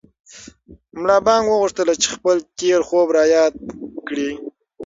ملا بانګ وغوښتل چې خپل تېر خوب را یاد کړي.